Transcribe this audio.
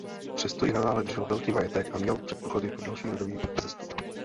Přesto i nadále držel velký majetek a měl předpoklady pro další rodový vzestup.